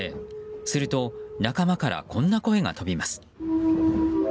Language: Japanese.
すると仲間からこんな声が飛びます。